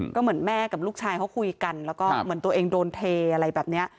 ก็เหมือนแม่กับลูกชายเขาคุยกันแล้วก็เหมือนตัวเองโดนเทอะไรแบบนี้